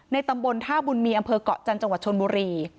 ตำบลท่าบุญมีอำเภอกเกาะจันทร์จังหวัดชนบุรี